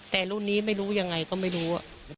แต่รุ่นนี้ไม่รู้ยังไงก็ไม่รู้